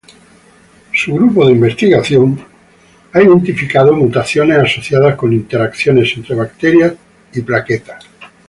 Su grupo de investigación ha identificado mutaciones asociadas con interacciones entre bacterias y plaquetas.